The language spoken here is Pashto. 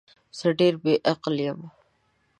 زه ډیر بی عقل یم